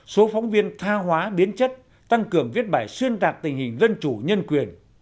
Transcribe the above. số phóng viên tha hóa biến chất tăng cường viết bài xuyên tạc tình hình dân chủ nhân quyền